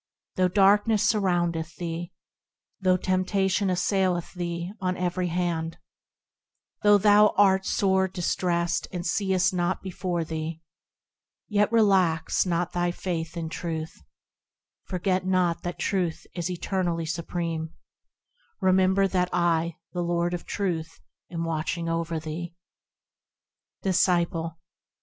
Though darkness surroundeth thee, Though temptation assaileth thee on every hand, Though thou art sore distressed, and seest not before thee, Yet relax not thy faith in Truth ; Forget not that Truth is eternally supreme, Remember that I, the Lord of Truth, am watching over thee. Disciple.